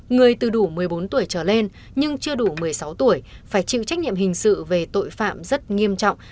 người từ đủ một mươi bốn tuổi trở lên nhưng chưa đủ một mươi sáu tuổi phải chịu trách nhiệm hình sự về tội phạm rất nghiêm trọng